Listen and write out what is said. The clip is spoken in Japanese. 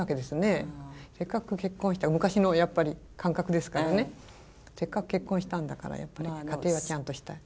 せっかく結婚した昔のやっぱり感覚ですからねせっかく結婚したんだからやっぱり家庭はちゃんとしたい。